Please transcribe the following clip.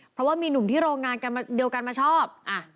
เพราะว่ามีหนุ่มที่โรงงานกันเดียวกันมาชอบ